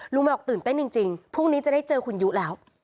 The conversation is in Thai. แม่บอกตื่นเต้นจริงพรุ่งนี้จะได้เจอคุณยุแล้ว